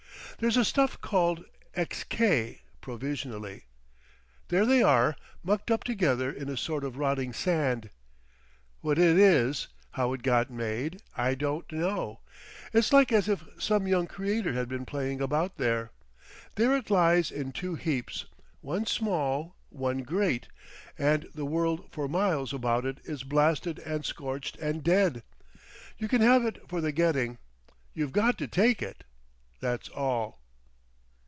There's a stuff called Xk—provisionally. There they are, mucked up together in a sort of rotting sand. What it is, how it got made, I don't know. It's like as if some young creator had been playing about there. There it lies in two heaps, one small, one great, and the world for miles about it is blasted and scorched and dead. You can have it for the getting. You've got to take it—that's all!"